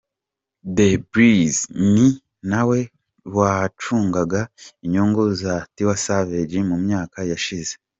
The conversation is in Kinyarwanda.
Tee Billz ni na we wacungaga inyungu za Tiwa Savage mu myaka yashize.